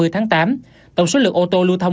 một mươi tháng tám tổng số lượng ô tô lưu thông